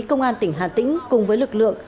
công an tỉnh hà tĩnh cùng với lực lượng